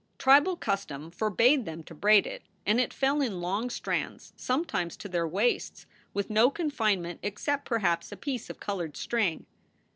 Tribal custom forbade them to braid it and it fell in long strands sometimes to their waists, with no confinement except perhaps a piece of colored string.